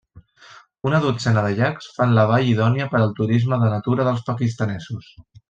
Una dotzena de llacs fan la vall idònia per al turisme de natura dels pakistanesos.